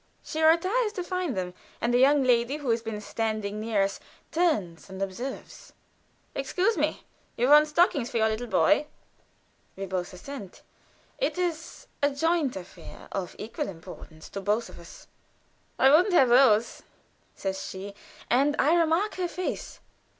She retires to find them, and a young lady who has been standing near us turns and observes: "Excuse me you want stockings for your little boy?" We both assent. It is a joint affair, of equal importance to both of us. "I wouldn't have those," says she, and I remark her face.